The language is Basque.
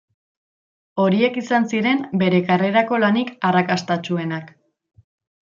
Horiek izan ziren bere karrerako lanik arrakastatsuenak.